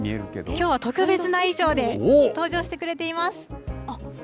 きょうは特別な衣装で、登場してくれています。